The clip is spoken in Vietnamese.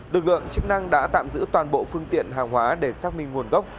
lực lượng chức năng đã tạm giữ toàn bộ phương tiện hàng hóa để xác minh nguồn gốc